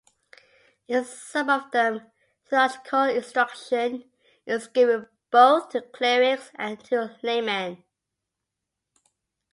In some of them theological instruction is given both to clerics and to laymen.